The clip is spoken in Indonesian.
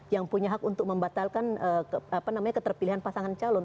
yang punya hak untuk membatalkan keterpilihan pasangan calon